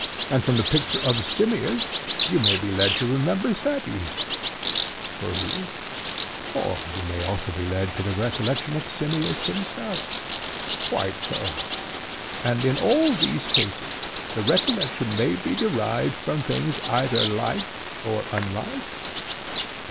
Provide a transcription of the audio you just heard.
and from the picture of Simmias, you may be led to remember Cebes? True. Or you may also be led to the recollection of Simmias himself? Quite so. And in all these cases, the recollection may be derived from things either like or unlike?